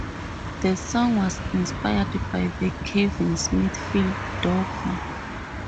The song was inspired by the Kevin Smith film "Dogma".